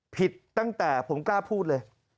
ผิดตั้งแต่ผมกล้าพูดเลย